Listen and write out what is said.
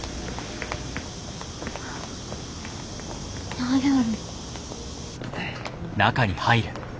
何やろ。